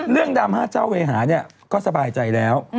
ดราม่าเจ้าเวหาเนี่ยก็สบายใจแล้ว